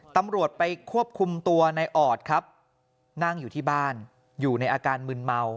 ตำรวจไปควบคุมตัวในออดครับนั่งอยู่ที่บ้านอยู่ในอาการมึนเมา